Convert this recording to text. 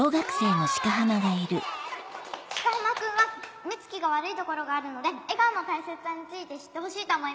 鹿浜君は目つきが悪いところがあるので笑顔の大切さについて知ってほしいと思います